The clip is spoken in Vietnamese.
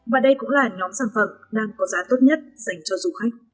và đây cũng là nhóm sản phẩm đang có giá tốt nhất dành cho du khách